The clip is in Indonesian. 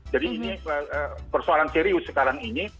jadi ini persoalan serius sekarang ini